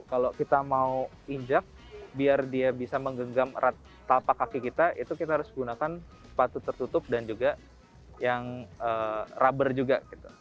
kalau kita mau injak biar dia bisa menggenggam erat telapak kaki kita itu kita harus gunakan sepatu tertutup dan juga yang rubber juga